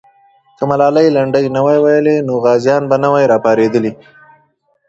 که ملالۍ لنډۍ نه وای ویلې، نو غازیان به نه وای راپارېدلي.